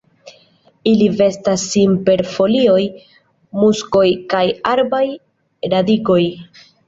Ili vestas sin per folioj, muskoj kaj arbaj radikoj.